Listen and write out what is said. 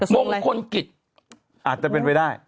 มงคลกิจอาจจะเป็นไปได้